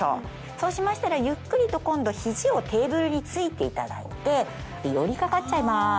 そうしましたらゆっくりと今度肘をテーブルに突いていただいて寄り掛かっちゃいます。